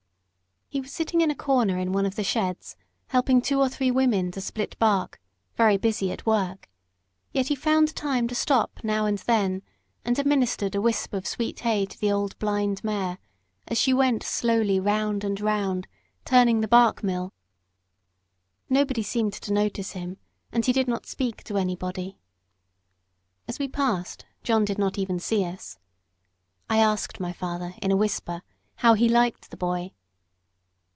He was sitting in a corner in one of the sheds, helping two or three women to split bark, very busy at work; yet he found time to stop now and then, and administered a wisp of sweet hay to the old blind mare, as she went slowly round and round, turning the bark mill. Nobody seemed to notice him, and he did not speak to anybody. As we passed John did not even see us. I asked my father, in a whisper, how he liked the boy.